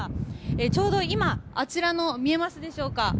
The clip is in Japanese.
ちょうど今あちらの、見えますでしょうか。